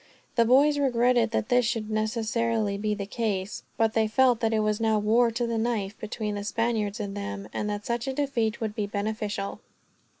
The boys regretted that this should necessarily be the case; but they felt that it was now war, to the knife, between the Spaniards and them, and that such a defeat would be beneficial.